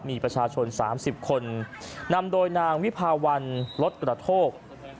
มีประชาชน๓๐คนนำโดยนางวิภาวันลดกระโทก